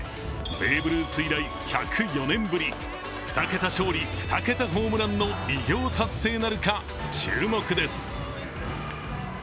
ベーブ・ルース以来１０４年ぶり、２桁勝利２桁ホームランの偉業達成なるか、注目です。